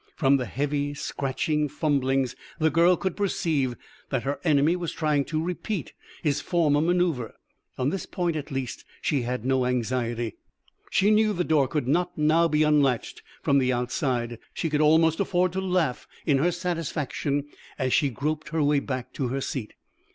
From the heavy, scratchy fumblings the girl could perceive that her enemy was trying to repeat his former maneuver. On this point, at least, she had no anxiety. She knew the door could not now be unlatched from the outside. She could almost afford to laugh in her satisfaction as she groped her way back to her seat.